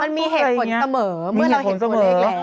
เดิมมีห่วงลำไพ้